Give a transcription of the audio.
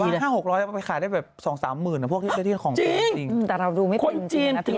เขาไม่ซื้อแบบว่า๕๖๐๐ไม่ขายได้แบบ๒๓หมื่นพวกที่เที่ยวชอบของเองจริง